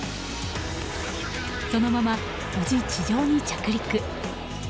そのまま無事、地上に着陸。